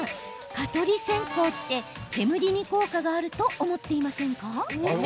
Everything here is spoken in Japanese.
蚊取り線香って煙に効果があると思っていませんか？